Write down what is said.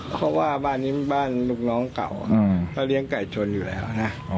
เพราะว่าบ้านนี้บ้านลูกน้องเก่าเขาเลี้ยงไก่ชนอยู่แล้วนะ